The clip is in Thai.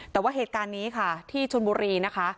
แต่ว่าเหตุการณ์นี้ค่ะที่ชนบุรีนะคะ